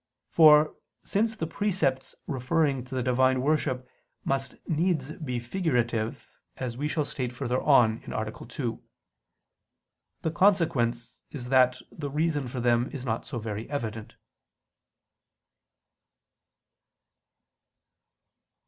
For, since the precepts referring to the Divine worship must needs be figurative, as we shall state further on (A. 2), the consequence is that the reason for them is not so very evident.